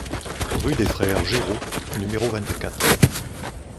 Rue des Frères Géraud au numéro vingt-quatre